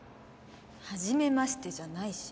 初めましてじゃないし。